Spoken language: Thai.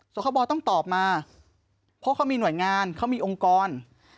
คบต้องตอบมาเพราะเขามีหน่วยงานเขามีองค์กร